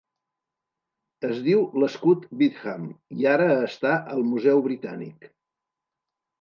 Es diu l'Escut Witham i ara està al Museu Britànic.